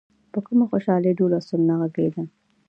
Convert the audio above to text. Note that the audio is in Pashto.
په کومه خوشالۍ ډول او سرنا غږېده.